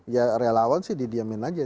ya relawan sih didiamin aja